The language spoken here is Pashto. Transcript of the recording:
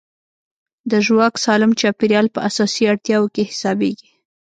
د ژواک سالم چاپېریال په اساسي اړتیاوو کې حسابېږي.